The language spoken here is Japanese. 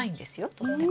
とっても。